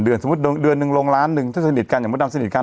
สมมุติเดือนหนึ่งลงล้านหนึ่งถ้าสนิทกันอย่างมดดำสนิทกัน